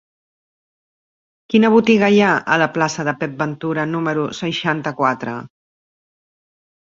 Quina botiga hi ha a la plaça de Pep Ventura número seixanta-quatre?